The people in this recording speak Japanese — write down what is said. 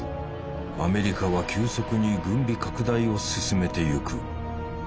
アメリカは急速に軍備拡大を進めてゆく。